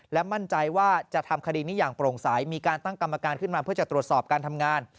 และมั่นใจว่าจะทำคดีนี้อย่างโปร่งใสมีการตั้งกรรมการขึ้นมาเพื่อจะตรวจสอบการทำงาน